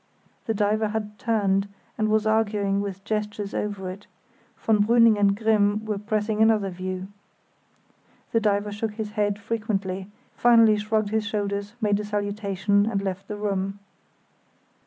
The diver had turned and was arguing with gestures over it; von Brüning and Grimm were pressing another view. The diver shook his head frequently, finally shrugged his shoulders, made a salutation, and left the room.